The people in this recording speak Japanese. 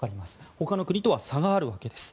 他の国とは差があるわけです。